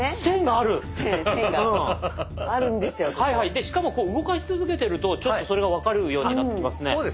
でしかも動かし続けてるとちょっとそれが分かるようになってきますね。